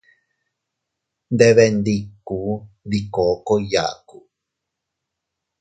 Nndeeebee nndikunn dii kookoy yaaku.